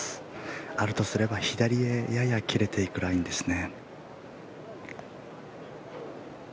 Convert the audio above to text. あるとすれば左へやや切れていくラインですね。